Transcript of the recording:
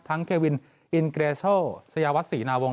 ทั้งเกวินอินเกรชโชสยาวัตรศรีนาวงศ์